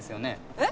えっ？